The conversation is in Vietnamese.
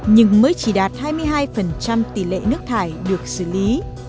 nhưng mới chỉ đạt hai mươi hai tỷ lệ nước thải được xử lý